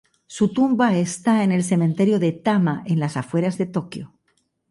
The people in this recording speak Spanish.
Su tumba está en el Cementerio de Tama, en las afueras de Tokio.